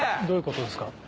どういうことですか？